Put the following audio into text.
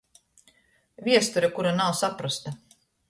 Viesture, kura nav saprosta!